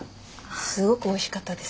すごくおいしかったです。